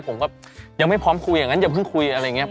ผมก็ยังไม่พร้อมคุยอย่างนั้นอย่าเพิ่งคุยอะไรอย่างนี้